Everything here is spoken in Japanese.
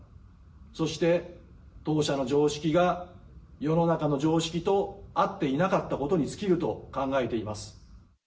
そして、当社の常識が世の中の常識と合っていなかったことに尽きると考えています。